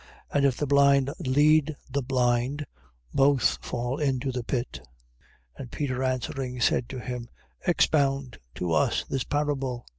And if the blind lead the blind, both fall into the pit. 15:15. And Peter answering, said to him: Expound to us this parable.